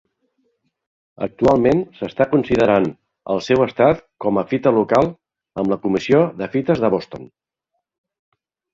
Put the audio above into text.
Actualment s'està considerant el seu estat com a fita local amb la Comissió de Fites de Boston.